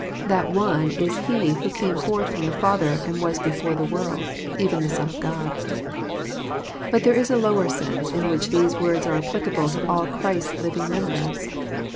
That One is He who came forth~from the Father, and was before the world,— even the Son of God. But there is a lower sense, in which these words are ap plicable to all Christ's living members.